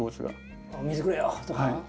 「水くれよ！」とか？